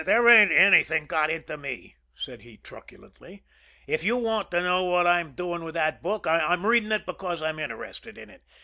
"There ain't anything got into me," said he truculently. "If you want to know what I'm doing with that book, I'm reading it because I'm interested in it.